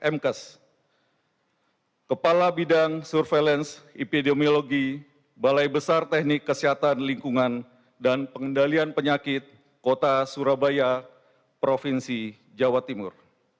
mkes kepala bidang surveillance epidemiologi balai besar teknik kesehatan lingkungan dan pengendalian penyakit kota surabaya provinsi jawa timur